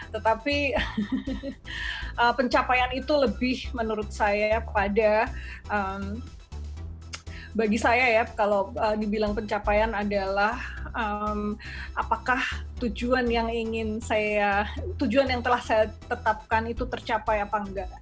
tetapi pencapaian itu lebih menurut saya pada bagi saya ya kalau dibilang pencapaian adalah apakah tujuan yang ingin saya tujuan yang telah saya tetapkan itu tercapai apa enggak